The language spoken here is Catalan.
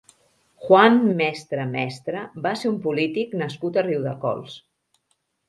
Juan Mestre Mestre va ser un polític nascut a Riudecols.